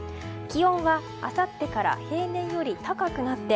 気温はあさってから平年より高くなって